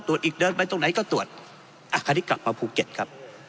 ตรวจอีกเดินไปตรงไหนก็ตรวจอ่ะคราวนี้กลับมาภูเก็ตครับ